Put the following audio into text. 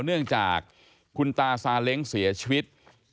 เนื่องจากคุณตาซาเล้งเสียชีวิต